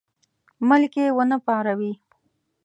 ملک یې ونه پاروي.